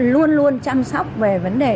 luôn luôn chăm sóc về vấn đề